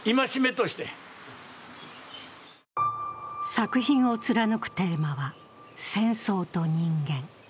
作品を貫くテーマは、戦争と人間。